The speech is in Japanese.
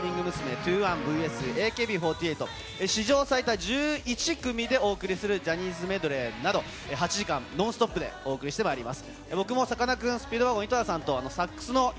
’２１ｖｓＡＫＢ４８、史上最多１１組でお送りするジャニーズメドレーなど、８時間ノンストップでお送りしてまいります。